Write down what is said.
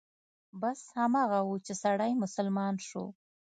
بس هماغه و چې سړى مسلمان شو.